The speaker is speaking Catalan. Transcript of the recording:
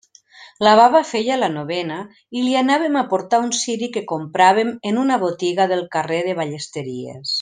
La baba feia la novena i li anàvem a portar un ciri que compràvem en una botiga del carrer de Ballesteries.